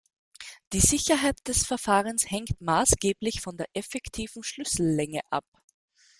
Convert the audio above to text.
Die Sicherheit des Verfahrens hängt maßgeblich von der effektiven Schlüssellänge ab.